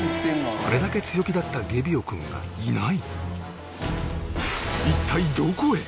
あれだけ強気だったゲビオ君がいない